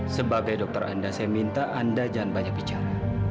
sebagai dokter anda saya minta anda jangan banyak bicara